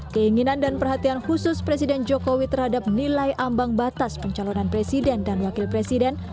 keinginan dan perhatian khusus presiden jokowi terhadap nilai ambang batas pencalonan presiden dan wakil presiden